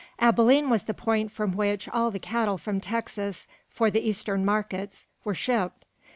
Abilene was the point from which all the cattle from Texas for the Eastern markets were shipped.